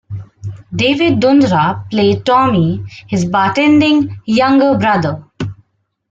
David Dundara played Tommy, his bartending younger brother.